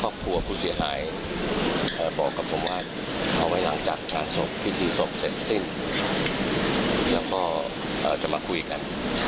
ครอบครัวผู้เสียหายบอกกับผมว่าเอาไว้หลังจากงานศพพิธีศพเสร็จสิ้นแล้วก็จะมาคุยกัน